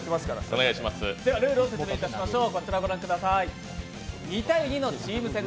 ルールを説明しましょう。